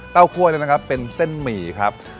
กล้วยเนี่ยนะครับเป็นเส้นหมี่ครับ